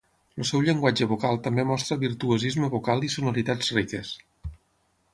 El seu llenguatge vocal també mostra virtuosisme vocal i sonoritats riques.